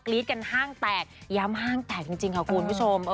กันห้างแตกย้ำห้างแตกจริงค่ะคุณผู้ชม